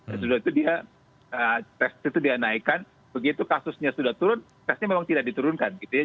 ya sudah itu dia tes itu dia naikkan begitu kasusnya sudah turun tesnya memang tidak diturunkan gitu ya